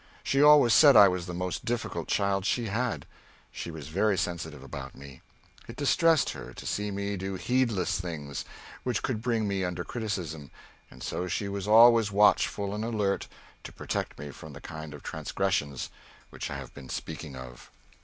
She always said I was the most difficult child she had. She was very sensitive about me. It distressed her to see me do heedless things which could bring me under criticism, and so she was always watchful and alert to protect me from the kind of transgressions which I have been speaking of.